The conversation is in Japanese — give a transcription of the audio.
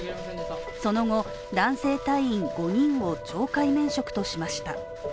その後、男性隊員５人を懲戒免職としました。